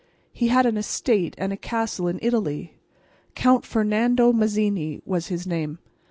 He had an estate and a castle in Italy. Count Fernando Mazzini was his name.